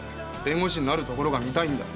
弁護士になるところが見たいんだ。